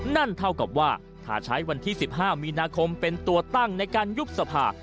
นั่นเท่ากับว่าถ้าใช้วันที่๑๕มีนาคมเป็นตัวตั้งในการยุบสภา